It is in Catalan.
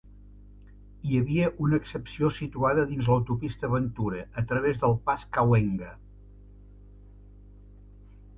Hi havia una excepció situada dins l'autopista Ventura a través del pas Cahuenga.